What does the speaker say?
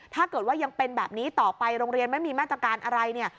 ถ้าเกิดว่ายังเป็นแบบนี้ต่อไปโรงเรียนไม่มีมาตรการอะไรเนี่ย